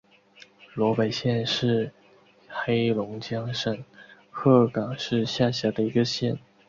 萝北县是黑龙江省鹤岗市下辖的一个县。